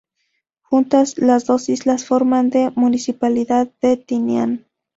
Juntas, las dos islas forman la Municipalidad de Tinian.